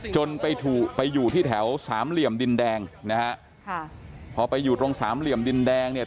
จนไปถูกไปอยู่ที่แถวสามเหลี่ยมดินแดงนะฮะค่ะพอไปอยู่ตรงสามเหลี่ยมดินแดงเนี่ย